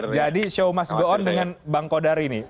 jadi show must go on dengan bang kodari nih